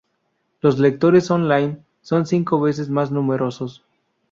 Los lectores online son cinco veces más numerosos.